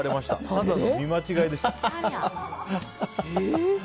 ただの見間違いでした。